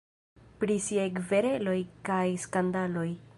Pri siaj kvereloj kaj skandaloj.